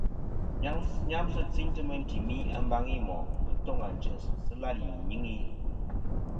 Nyamsɨ nɨ̂n chintɨ meyn timi a mbaŋi i moʼ. Ghɨ toŋ ànchès, sɨ làlì nɨ̀ ìnyɨŋi.